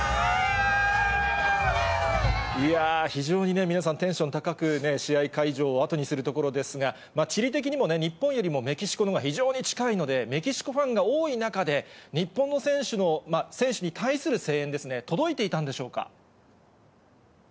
いやー、非常に皆さん、テンション高くね、試合会場を後にするところですが、地理的にも日本よりもメキシコのほうが非常に近いので、メキシコファンが多い中で、日本の選手に対する声援ですね、届いていたんでしょうか。